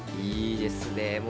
いいですね。